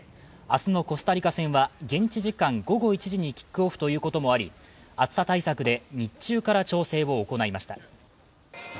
明日のコスタリカ戦は現地時間午後１時にキックオフということもあり暑さ対策で日中から調整を行いました。